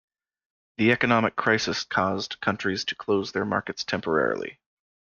The economic crisis caused countries to close their markets temporarily.